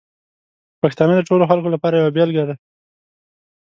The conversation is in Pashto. پښتانه د ټولو خلکو لپاره یوه بېلګه دي.